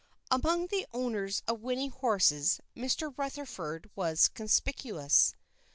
Among the owners of winning horses Mr. Rutherford was conspicuous.